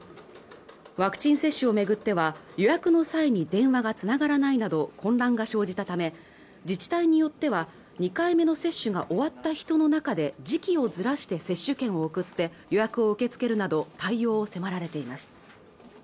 ワクチン接種をめぐっては予約の際に電話がつながらないなど混乱が生じたため自治体によっては２回目の接種が終わった人の中で時期をずらして接種券を送って予約を受け付けるなど対応を迫られています